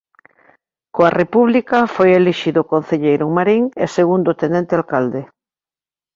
Coa República foi elixido concelleiro en Marín e segundo tenente alcalde.